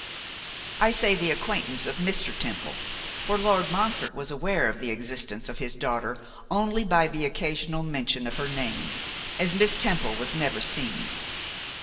I say the acquaintance of Mr. Temple; for Lord Montfort was aware of the existence of his daughter only by the occasional mention of her name, as Miss Temple was never seen.